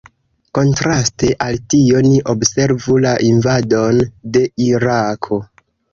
Kontraste al tio, ni observu la invadon de Irako.